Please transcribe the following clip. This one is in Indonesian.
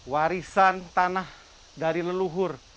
warisan tanah dari leluhur